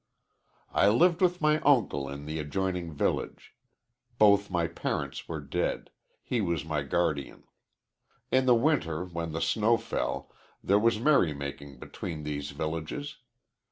"I lived with my uncle in the adjoining village. Both my parents were dead he was my guardian. In the winter, when the snow fell, there was merry making between these villages.